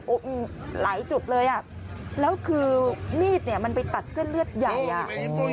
หลายจุดเลยอ่ะแล้วคือมีดเนี่ยมันไปตัดเส้นเลือดใหญ่อ่ะ